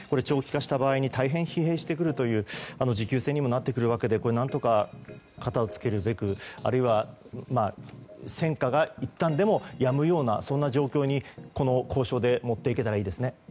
長期化した場合に大変疲弊してくるという持久戦にもなってくるわけで何とか方をつけるべくあるいは戦火がいったんでもやむような状況に交渉で持っていけたらいいですね。